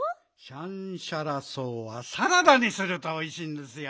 シャンシャラ草はサラダにするとおいしいんですよ。